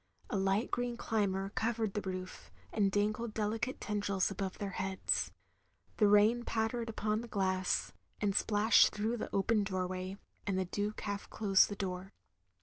A light green climber covered the roof, and dangled delicate tendrils above their heads; the rain pattered upon the glass, and splashed through the open doorway; and the Duke half closed the door.